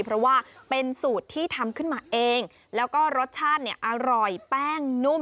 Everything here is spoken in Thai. เพราะว่าเป็นสูตรที่ทำขึ้นมาเองแล้วก็รสชาติเนี่ยอร่อยแป้งนุ่ม